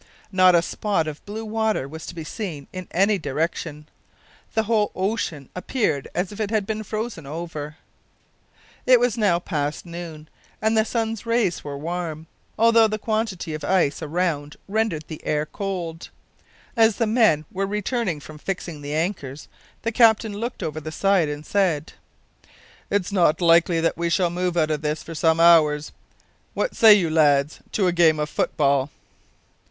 Not a spot of blue water was to be seen in any direction. The whole ocean appeared as if it had been frozen over. It was now past noon, and the sun's rays were warm, although the quantity of ice around rendered the air cold. As the men were returning from fixing the anchors, the captain looked over the side, and said: "It's not likely that we shall move out of this for some hours. What say you, lads, to a game of football?"